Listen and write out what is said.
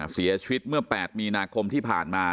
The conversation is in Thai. เสียชีวิตเมื่อ๘มีนาคมที่ผ่านมา